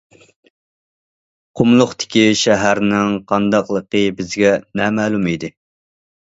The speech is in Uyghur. قۇملۇقتىكى شەھەرنىڭ قانداقلىقى بىزگە نامەلۇم ئىدى.